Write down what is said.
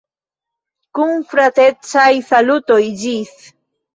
Kun fratecaj salutoj, ĝis!